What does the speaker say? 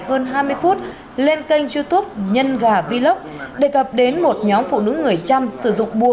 hơn hai mươi phút lên kênh youtube nhân gà vlog đề cập đến một nhóm phụ nữ người trăm sử dụng bùa